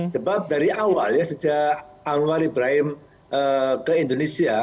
sebab dari awal ya sejak anwar ibrahim ke indonesia